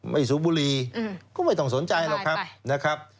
ไม่สูบบุลีก็ไม่ต้องสนใจหรอกครับ